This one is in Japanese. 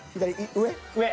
上。